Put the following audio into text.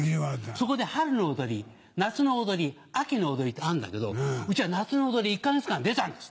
そこで春のおどり夏のおどり秋のおどりとあるんだけどうちは夏のおどり１か月間出たんです。